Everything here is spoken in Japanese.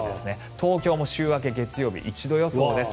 東京も週明け月曜日、１度予想です。